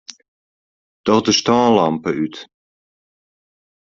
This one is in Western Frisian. Doch de stânlampe út.